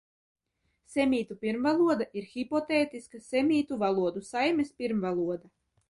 Semītu pirmvaloda ir hipotētiska semītu valodu saimes pirmvaloda.